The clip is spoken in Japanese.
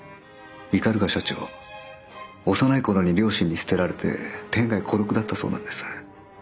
社長幼い頃に両親に捨てられて天涯孤独だったそうなんです。